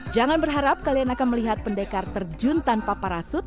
jangan berharap kalian akan melihat pendekar terjun tanpa parasut